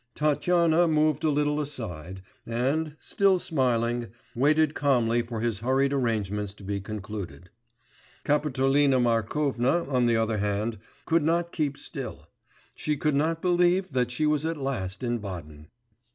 Tatyana moved a little aside, and, still smiling, waited calmly for his hurried arrangements to be concluded. Kapitolina Markovna, on the other hand, could not keep still; she could not believe that she was at last at Baden.